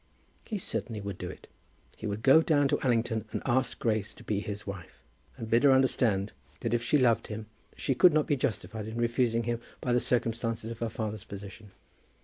He certainly would do it. He would go down to Allington, and ask Grace to be his wife; and bid her understand that if she loved him she could not be justified in refusing him by the circumstances of her father's position.